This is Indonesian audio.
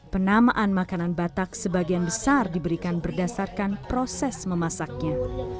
penamaan makanan batak sebagian besar diberikan berdasarkan proses memasaknya